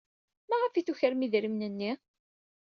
Maɣef ay tukrem idrimen-nni?